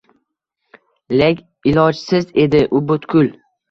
Lek ilojsiz edi u butkul